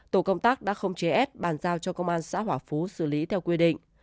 tổ công tác đã không chế ép bàn giao cho công an xã hỏa phú xử lý theo quy định